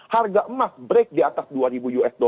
harga emas break di atas dua ribu usd